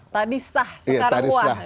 tadi sah sekarang wah